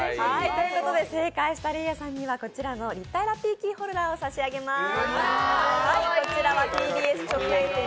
正解したれいあさんにはこちらの立体ラッピーキーホルダーを差し上げます。